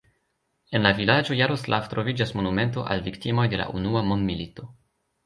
En la vilaĝo Jaroslav troviĝas monumento al viktimoj de la unua mondmilito.